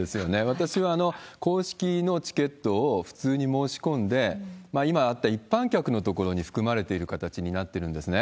私は公式のチケットを普通に申し込んで、今あった一般客の所に含まれている形になってるんですね。